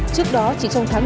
trước đó chỉ trong tháng một